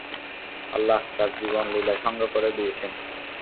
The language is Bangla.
আল্লাহ তার জীবন লীলা সাঙ্গ করে দিয়েছেন।